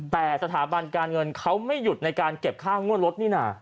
แต่สถาบันการเงินเขาไม่หยุดในการเก็บค่างวดรถนี่นะ